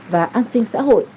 và an sinh xã hội